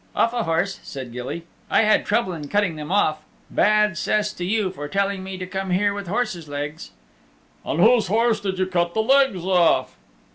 "Off a horse," said Gilly. "I had trouble in cutting them off. Bad cess to you for telling me to come here with horse's legs." "And whose horse did you cut the legs off?"